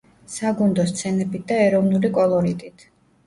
საგუნდო სცენებით და ეროვნული კოლორიტით.